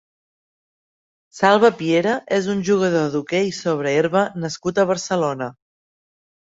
Salva Piera és un jugador d'hoquei sobre herba nascut a Barcelona.